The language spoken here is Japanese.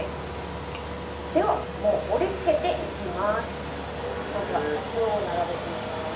では、盛り付けていきます。